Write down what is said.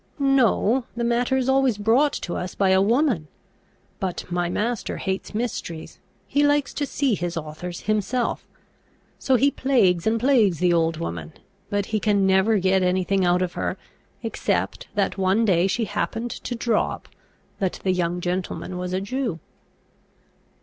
"No; the matter is always brought to us by a woman. But my master hates mysteries; he likes to see his authors himself. So he plagues and plagues the old woman; but he can never get any thing out of her, except that one day she happened to drop that the young gentleman was a Jew."